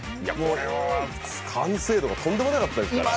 これは完成度がとんでもなかったですから。